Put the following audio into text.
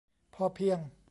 'พอเพียง'